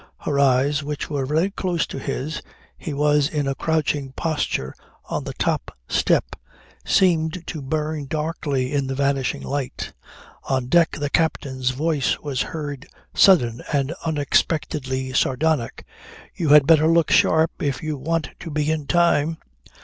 Her eyes which were very close to his (he was in a crouching posture on the top step) seemed to burn darkly in the vanishing light. On deck the captain's voice was heard sudden and unexpectedly sardonic: "You had better look sharp, if you want to be in time."